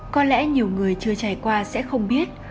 có lẽ nhiều người chưa trải qua sẽ không biết